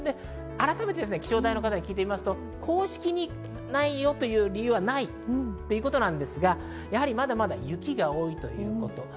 改めて気象台の方に聞くと、公式にないよという理由はないということなんですが、まだまだ雪が多いということ。